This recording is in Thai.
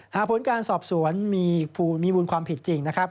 หากผลการสอบสวนมีมูลความผิดจริงนะครับ